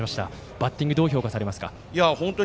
バッティングをどう評価されますか。